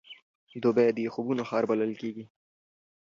دوبی د خوبونو ښار بلل کېږي.